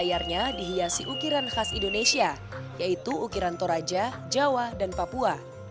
layarnya dihiasi ukiran khas indonesia yaitu ukiran toraja jawa dan papua